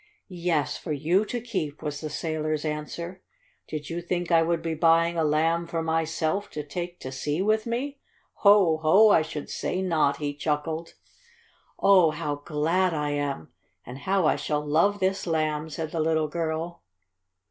"Yes, for you to keep," was the sailor's answer. "Did you think I would be buying a Lamb for myself, to take to sea with me? Ho! Ho! I should say not!" he chuckled. "Oh, how glad I am! And how I shall love this Lamb!" said the little girl.